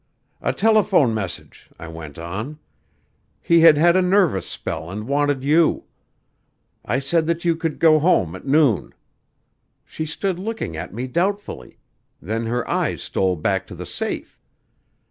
'A telephone message,' I went on. 'He had had a nervous spell and wanted you. I said that you could go home at noon.' She stood looking at me doubtfully; then her eyes stole back to the safe.